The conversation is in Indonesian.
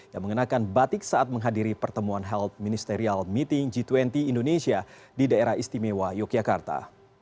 yang mengenakan batik saat menghadiri pertemuan health ministerial meeting g dua puluh indonesia di daerah istimewa yogyakarta